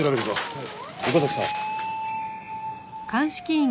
はい。